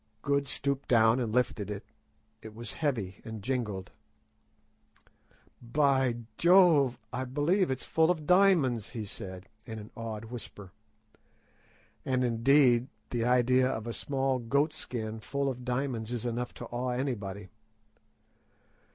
Good stooped down and lifted it. It was heavy and jingled. "By Jove! I believe it's full of diamonds," he said, in an awed whisper; and, indeed, the idea of a small goat skin full of diamonds is enough to awe anybody.